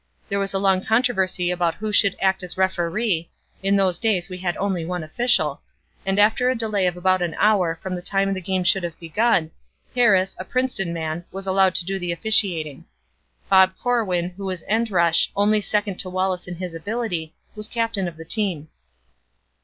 There was a long controversy about who should act as referee (in those days we had only one official) and after a delay of about an hour from the time the game should have begun, Harris, a Princeton man, was allowed to do the officiating. Bob Corwin, who was end rush, only second to Wallace in his ability, was captain of the team.